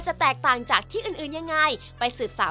สวัสดีครับคุณนานานะครับ